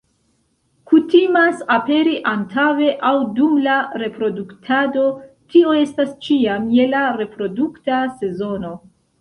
Kutimas aperi antaŭe aŭ dum la reproduktado, tio estas ĉiam je la reprodukta sezono.